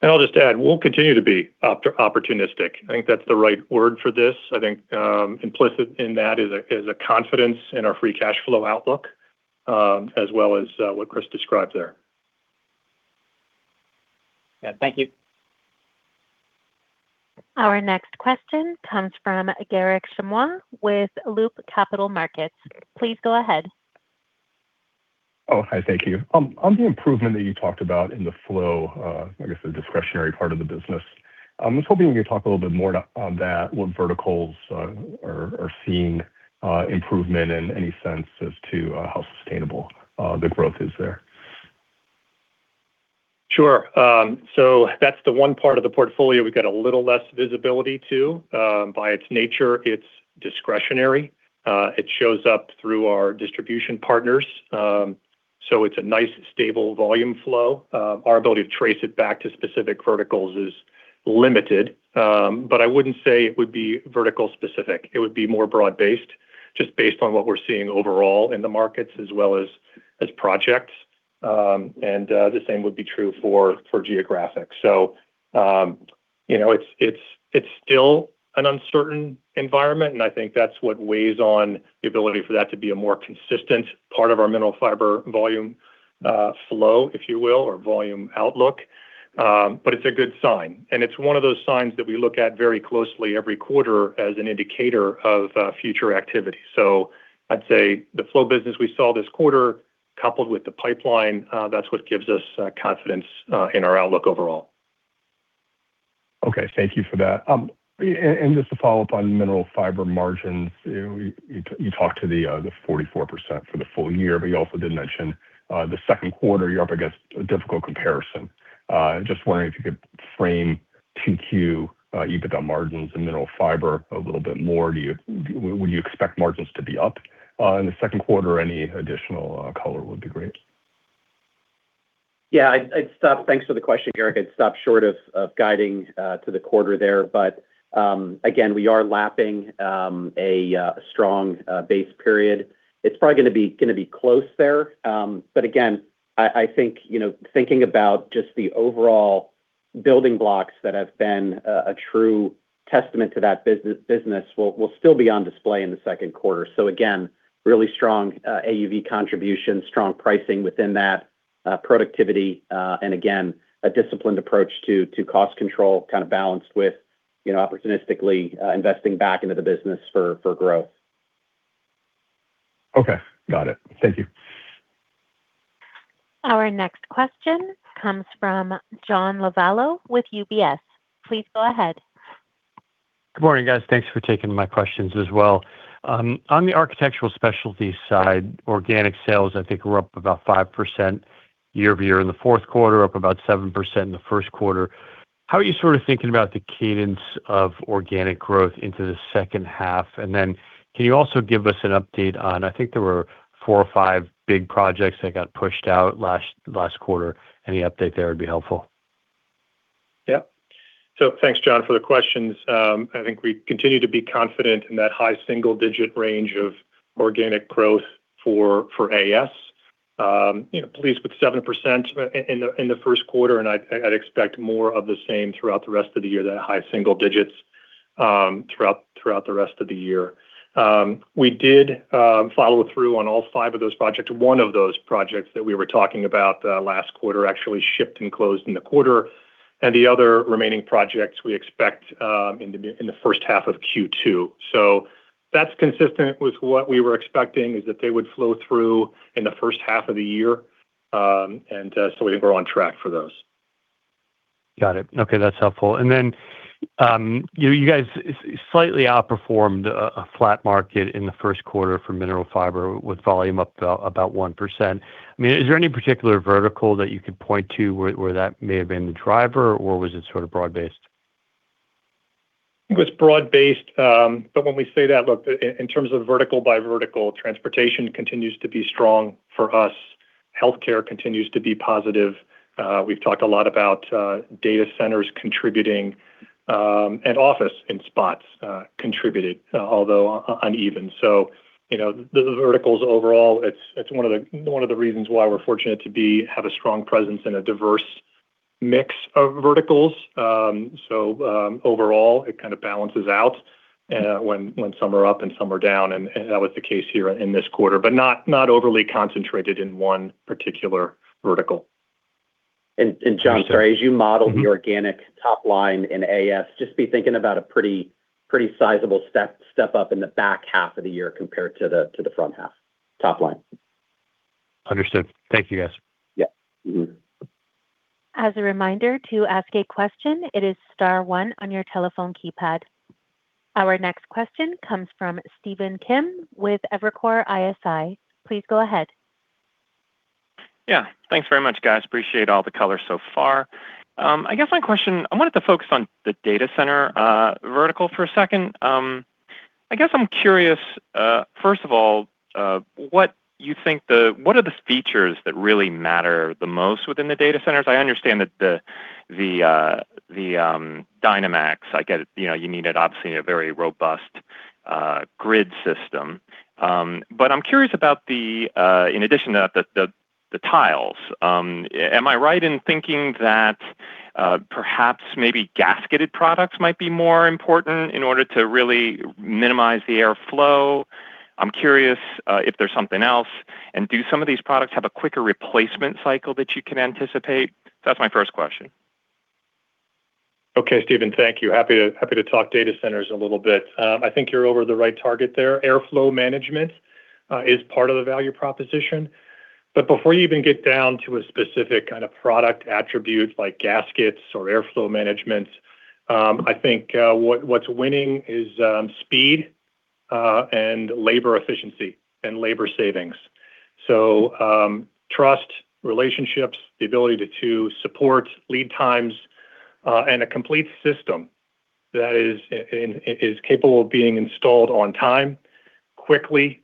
I'll just add, we'll continue to be opportunistic. I think that's the right word for this. I think, implicit in that is a confidence in our free cash flow outlook, as well as, what Chris described there. Yeah. Thank you. Our next question comes from Garik Shmois with Loop Capital Markets. Please go ahead. Hi. Thank you. On the improvement that you talked about in the flow, I guess the discretionary part of the business, I'm just hoping you can talk a little bit more on that, what verticals are seeing improvement and any sense as to how sustainable the growth is there? Sure. That's the one part of the portfolio we've got a little less visibility to. By its nature, it's discretionary. It shows up through our distribution partners. It's a nice stable volume flow. Our ability to trace it back to specific verticals is limited. I wouldn't say it would be vertical specific. It would be more broad-based, just based on what we're seeing overall in the markets as well as projects. The same would be true for geographic. You know, it's still an uncertain environment, and I think that's what weighs on the ability for that to be a more consistent part of our mineral fiber volume flow, if you will, or volume outlook. It's a good sign, and it's one of those signs that we look at very closely every quarter as an indicator of future activity. I'd say the flow business we saw this quarter coupled with the pipeline, that's what gives us confidence in our outlook overall. Okay. Thank you for that. Just to follow up on Mineral Fiber margins. You talked to the 44% for the full year, but you also did mention the second quarter, you're up against a difficult comparison. Just wondering if you could frame 2Q EBIT margins and Mineral Fiber a little bit more. Would you expect margins to be up in the second quarter? Any additional color would be great. I'd stop. Thanks for the question, Garik Shmois. I'd stop short of guiding to the quarter there. Again, we are lapping a strong base period. It's probably gonna be close there. Again, I think, you know, thinking about just the overall building blocks that have been a true testament to that business will still be on display in the second quarter. Again, really strong AUV contribution, strong pricing within that productivity, again, a disciplined approach to cost control kind of balanced with, you know, opportunistically investing back into the business for growth. Okay. Got it. Thank you. Our next question comes from John Lovallo with UBS. Please go ahead. Good morning, guys. Thanks for taking my questions as well. On the Architectural Specialties side, organic sales, I think, were up about 5% year-over-year in the fourth quarter, up about 7% in the first quarter. How are you sort of thinking about the cadence of organic growth into the second half? Can you also give us an update on, I think there were four or five big projects that got pushed out last quarter. Any update there would be helpful. Yeah. Thanks, John, for the questions. I think we continue to be confident in that high single digit range of organic growth for AS. You know, pleased with 7% in the first quarter, and I'd expect more of the same throughout the rest of the year. That high single digits throughout the rest of the year. We did follow through on all five of those projects. One of those projects that we were talking about last quarter actually shipped and closed in the quarter. The other remaining projects we expect in the first half of Q2. That's consistent with what we were expecting, is that they would flow through in the first half of the year. I think we're on track for those. Got it. Okay. That's helpful. you know, you guys slightly outperformed a flat market in the first quarter for Mineral Fiber with volume up about 1%. I mean, is there any particular vertical that you could point to where that may have been the driver, or was it sort of broad based? I think it was broad based. When we say that, look, in terms of vertical by vertical, transportation continues to be strong for us. Healthcare continues to be positive. We've talked a lot about data centers contributing, and office in spots contributed, although uneven. You know, the verticals overall, it's one of the reasons why we're fortunate to have a strong presence in a diverse mix of verticals. Overall, it kind of balances out when some are up and some are down, and that was the case here in this quarter, not overly concentrated in one particular vertical. John, sorry, as you model - Mm-hmm.... the organic top line in AS, just be thinking about a pretty sizable step up in the back half of the year compared to the front half top line. Understood. Thank you, guys. Yeah. Mm-hmm. As a reminder, to ask a question, it is star one, on your telephone keypad. Our next question comes from Stephen Kim with Evercore ISI. Please go ahead. Yeah. Thanks very much, guys. Appreciate all the color so far. I guess my question, I wanted to focus on the data center vertical for a second. I guess I'm curious, first of all, what you think the what are the features that really matter the most within the data centers? I understand that the, the DynaMax, I get it. You know, you need it, obviously, in a very robust grid system. I'm curious about the, in addition to that, the, the tiles. Am I right in thinking that, perhaps maybe gasketed products might be more important in order to really minimize the airflow? I'm curious if there's something else. Do some of these products have a quicker replacement cycle that you can anticipate? That's my first question. Okay, Stephen. Thank you. Happy to talk data centers a little bit. I think you're over the right target there. Airflow management is part of the value proposition. Before you even get down to a specific kind of product attribute like gaskets or airflow management, I think what's winning is speed and labor efficiency and labor savings. Trust, relationships, the ability to support lead times and a complete system that is and is capable of being installed on time quickly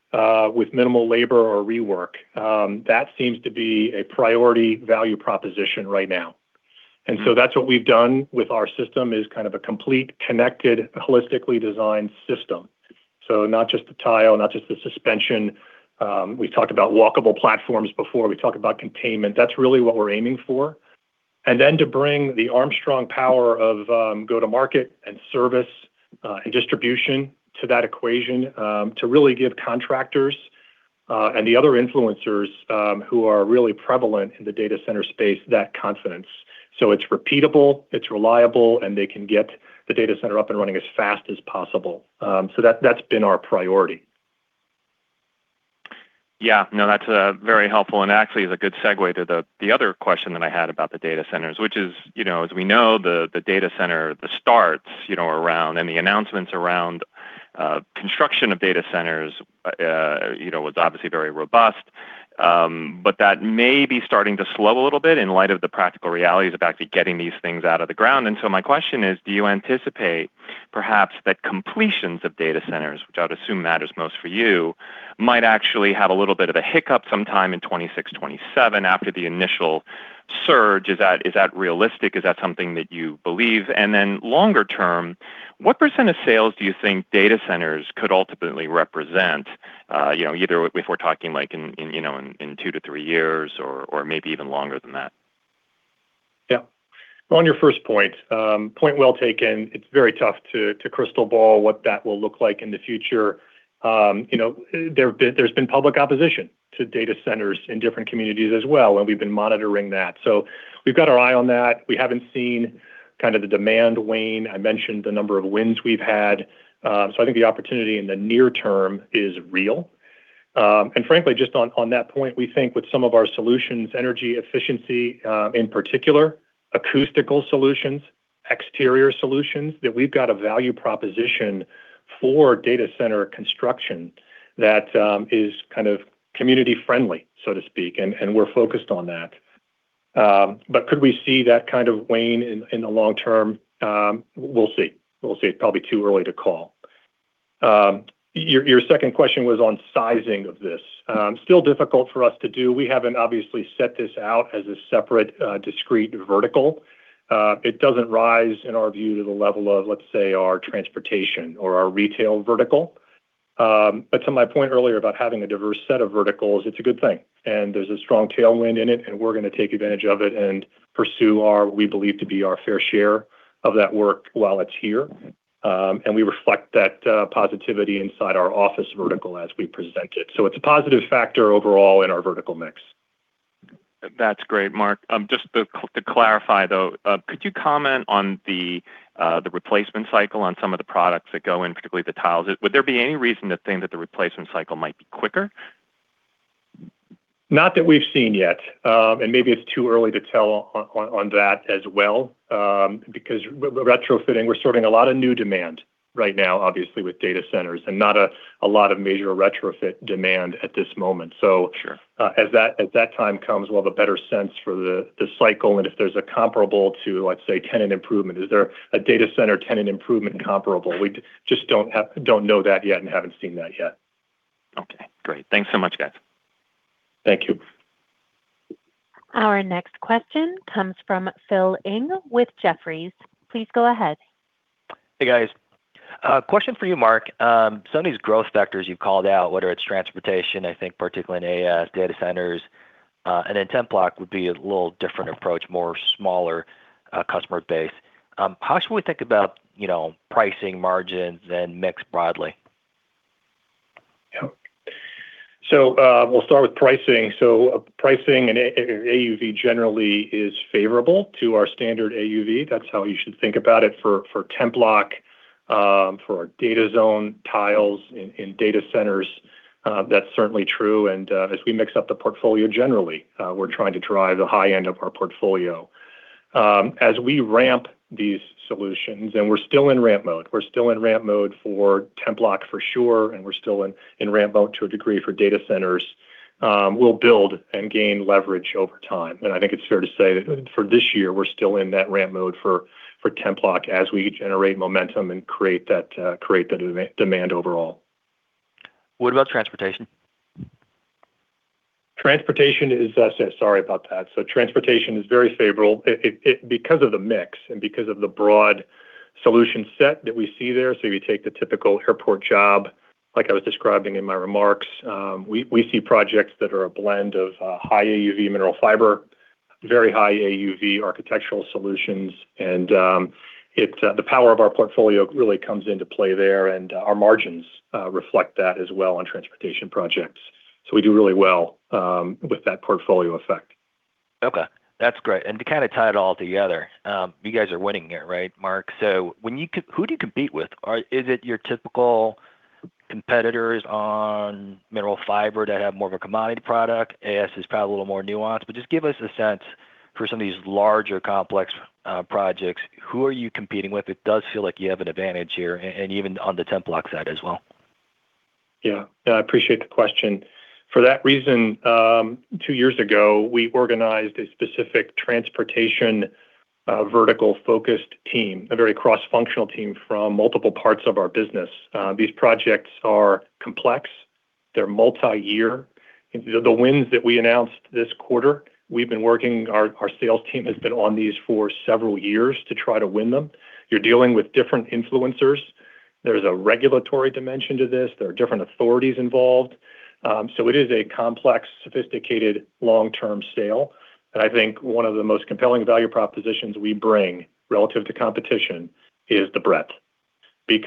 with minimal labor or rework. That seems to be a priority value proposition right now. That's what we've done with our system, is kind of a complete, connected, holistically designed system. Not just the tile, not just the suspension. We talked about walkable platforms before. We talk about containment. That's really what we're aiming for. To bring the Armstrong power of go-to-market and service and distribution to that equation, to really give contractors and the other influencers who are really prevalent in the data center space that confidence. It's repeatable, it's reliable, and they can get the data center up and running as fast as possible. That's been our priority. Yeah. No, that's very helpful, and actually is a good segue to the other question that I had about the data centers, which is, you know, as we know, the data center starts, you know, around and the announcements around construction of data centers, you know, was obviously very robust. But that may be starting to slow a little bit in light of the practical realities about the getting these things out of the ground. My question is, do you anticipate perhaps that completions of data centers, which I'd assume matters most for you, might actually have a little bit of a hiccup sometime in 2026, 2027 after the initial surge? Is that realistic? Is that something that you believe? Longer term, what percent of sales do you think data centers could ultimately represent, you know, either if we're talking, like, in, you know, in 2-3 years or maybe even longer than that? Yeah. On your first point well taken. It's very tough to crystal ball what that will look like in the future. You know, there's been public opposition to data centers in different communities as well, and we've been monitoring that. We've got our eye on that. We haven't seen kind of the demand wane. I mentioned the number of wins we've had. I think the opportunity in the near term is real. Frankly, just on that point, we think with some of our solutions, energy efficiency, in particular, acoustical solutions, exterior solutions, that we've got a value proposition for data center construction that is kind of community friendly, so to speak, and we're focused on that. Could we see that kind of wane in the long term? We'll see. We'll see. It's probably too early to call. Y our second question was on sizing of this. Still difficult for us to do. We haven't obviously set this out as a separate, discrete vertical. It doesn't rise in our view to the level of, let's say, our transportation or our retail vertical. To my point earlier about having a diverse set of verticals, it's a good thing. There's a strong tailwind in it, and we're gonna take advantage of it and pursue our, what we believe to be our fair share of that work while it's here. We reflect that positivity inside our office vertical as we present it. It's a positive factor overall in our vertical mix. That's great, Mark. Just to clarify though, could you comment on the replacement cycle on some of the products that go in, particularly the tiles? Would there be any reason to think that the replacement cycle might be quicker? Not that we've seen yet. Maybe it's too early to tell on that as well, because retrofitting, we're serving a lot of new demand right now, obviously with data centers, and not a lot of major retrofit demand at this moment. Sure. As that time comes, we'll have a better sense for the cycle and if there's a comparable to, let's say, tenant improvement. Is there a data center tenant improvement comparable? We just don't know that yet and haven't seen that yet. Okay. Great. Thanks so much, guys. Thank you. Our next question comes from Philip Ng with Jefferies. Please go ahead. Hey, guys. A question for you, Mark. Some of these growth sectors you've called out, whether it's transportation, I think particularly in AS data centers, and then TEMPLOK would be a little different approach, more smaller customer base. How should we think about, you know, pricing margins and mix broadly? Yeah. We'll start with pricing. Pricing and AUV generally is favorable to our standard AUV. That's how you should think about it for TEMPLOK, for our DATAZONE tiles in data centers, that's certainly true. As we mix up the portfolio generally, we're trying to drive the high end of our portfolio. As we ramp these solutions, and we're still in ramp mode. We're still in ramp mode for TEMPLOK for sure, and we're still in ramp mode to a degree for data centers. We'll build and gain leverage over time. I think it's fair to say that for this year, we're still in that ramp mode for TEMPLOK as we generate momentum and create that, create the demand overall. What about transportation? Transportation is. Sorry about that. Transportation is very favorable. It, because of the mix and because of the broad solution set that we see there. If you take the typical airport job, like I was describing in my remarks, we see projects that are a blend of high AUV mineral fiber, very high AUV architectural solutions, and it, the power of our portfolio really comes into play there, and our margins reflect that as well on transportation projects. We do really well with that portfolio effect. That's great. To kinda tie it all together, you guys are winning here, right, Mark? When you who do you compete with? Is it your typical competitors on Mineral Fiber that have more of a commodity product? AS is probably a little more nuanced, but just give us a sense for some of these larger complex projects, who are you competing with? It does feel like you have an advantage here, and even on the TEMPLOK side as well. Yeah. Yeah, I appreciate the question. For that reason, two years ago, we organized a specific transportation vertical-focused team, a very cross-functional team from multiple parts of our business. These projects are complex, they're multi-year. The wins that we announced this quarter, we've been working, our sales team has been on these for several years to try to win them. You're dealing with different influencers. There's a regulatory dimension to this. There are different authorities involved. It is a complex, sophisticated, long-term sale. I think one of the most compelling value propositions we bring relative to competition is the breadth. These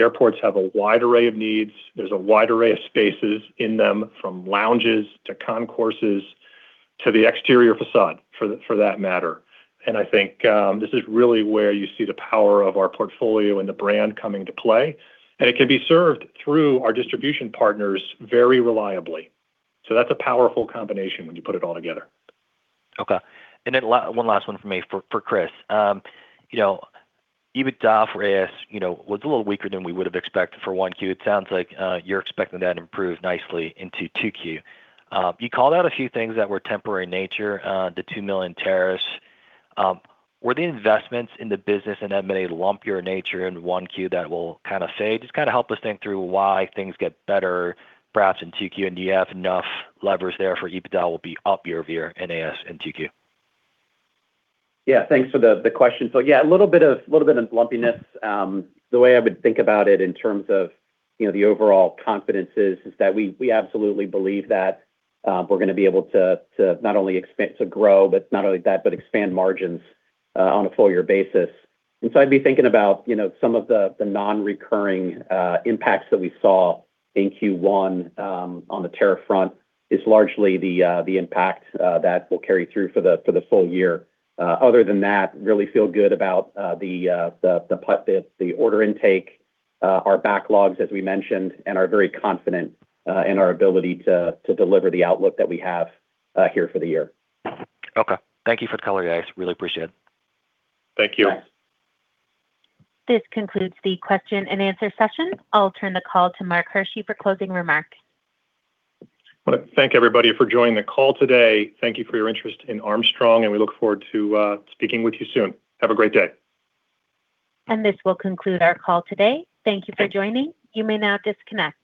airports have a wide array of needs. There's a wide array of spaces in them, from lounges to concourses to the exterior facade for that matter. I think, this is really where you see the power of our portfolio and the brand coming to play. It can be served through our distribution partners very reliably. That's a powerful combination when you put it all together. Okay. Then one last one from me for Chris. You know, EBITDA for AS, you know, was a little weaker than we would have expected for 1Q. It sounds like you're expecting that to improve nicely into 2Q. You called out a few things that were temporary in nature, the $2 million tariffs. Were the investments in the business in M&A lumpier in nature in 1Q that will kinda fade? Kinda help us think through why things get better perhaps in 2Q, and do you have enough levers there for EBITDA will be up year-over-year in AS in 2Q. Thanks for the question. A little bit of lumpiness. The way I would think about it in terms of, you know, the overall confidence is that we absolutely believe that we're going to be able to not only grow, but not only that, but expand margins on a full year basis. I'd be thinking about, you know, some of the non-recurring impacts that we saw in Q1 on the tariff front, is largely the impact that will carry through for the full year. Other than that, really feel good about the pipe fits, the order intake, our backlogs, as we mentioned, and are very confident in our ability to deliver the outlook that we have here for the year. Okay. Thank you for the color, guys. Really appreciate it. Thank you. Yes. This concludes the question and answer session. I'll turn the call to Mark Hershey for closing remarks. Wanna thank everybody for joining the call today. Thank you for your interest in Armstrong, and we look forward to speaking with you soon. Have a great day. This will conclude our call today. Thank you for joining. You may now disconnect.